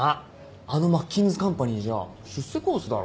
あのマッキンズカンパニーじゃ出世コースだろ？